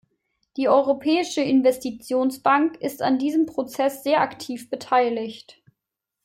Die Europäische Investitionsbank ist an diesem Prozess sehr aktiv beteiligt.